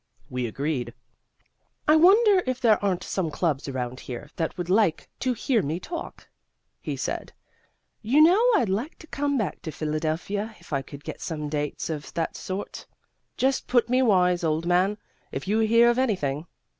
We agreed. "I wonder if there aren't some clubs around here that would like to hear me talk?" he said. "You know, I'd like to come back to Philadelphia if I could get some dates of that sort. Just put me wise, old man, if you hear of anything.